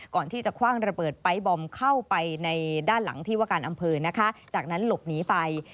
ก่อนที่จะคว่างระเบิดไป๊บอมเข้าไปในด้านหลังที่ว่าการอำเภอนะคะจากนั้นหลบหนีไป